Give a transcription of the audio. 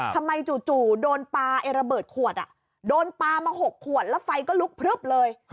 จู่โดนปลาไอ้ระเบิดขวดโดนปลามา๖ขวดแล้วไฟก็ลุกพลึบเลย